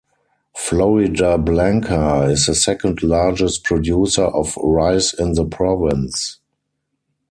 Floridablanca is the second largest producer of rice in the province.